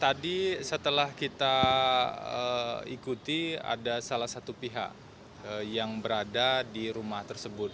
tadi setelah kita ikuti ada salah satu pihak yang berada di rumah tersebut